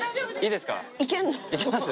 いけます？